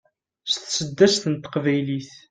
s tseddast n teqbaylit